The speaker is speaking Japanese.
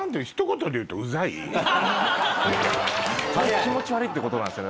ちょい気持ち悪いってことなんすよね。